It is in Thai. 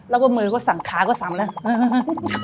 แล้วก็มือก็สั่งค้าก็ซ้ำแล้ว